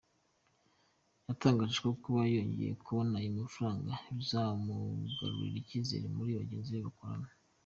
Yatangaje ko kuba yongeye kubona ayo mafaranga bizamugarurira icyizere muri bagenzi be bakorana.